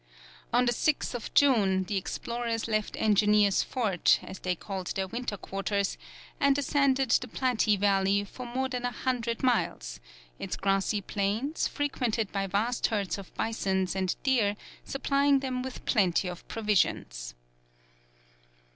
On the 6th June, the explorers left Engineer's Fort, as they called their winter quarters, and ascended the Platte Valley for more than a hundred miles, its grassy plains, frequented by vast herds of bisons and deer, supplying them with plenty of provisions.